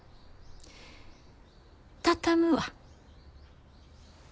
畳むわ。